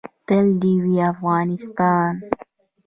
تل دې وي افغانستان.